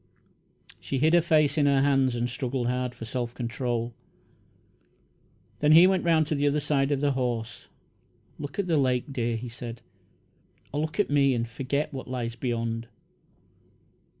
She hid her face in her hands and struggled hard for self control. Then he went around to the other side of the horse. "Look at the lake, dear," he said; "or look at me and forget what lies beyond."